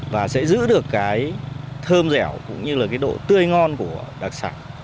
và sẽ giữ được cái thơm dẻo cũng như là cái độ tươi ngon của đặc sản